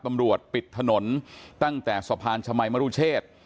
ปิดถนนตั้งแต่สะพานชมัยมรุเชษ